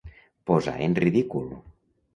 Posar en ridícul.